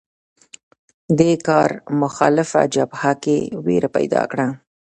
دې کار مخالفه جبهه کې وېره پیدا کړه